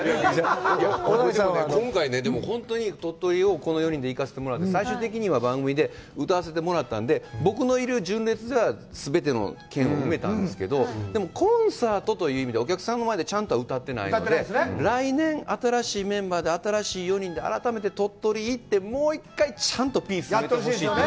今回、本当に鳥取にこの４人で行かせてもらって、最終的には番組で歌わせてもらったんで僕のいる純烈が全ての県を埋めたんですけど、でもコンサートという意味で、お客さんの前でちゃんと歌ってないので、来年、新しいメンバーで、新しい４人で改めて鳥取に行って、もう一回ちゃんとピース埋めてほしいと思って。